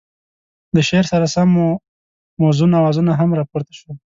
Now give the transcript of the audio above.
له شعر سره سم موزون اوازونه هم را پورته شول.